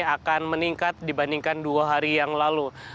akan meningkat dibandingkan dua hari yang lalu